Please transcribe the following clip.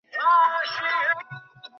আরে, আমার ডেলিভারি।